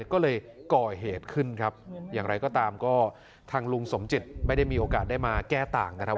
ก็เลยก่อเหตุขึ้นครับอย่างไรก็ตามก็ทางลุงสมจิตไม่ได้มีโอกาสได้มาแก้ต่างนะครับ